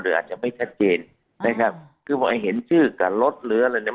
อาจจะไม่ชัดเจนนะครับคือพอเห็นชื่อกับรถหรืออะไรเนี่ย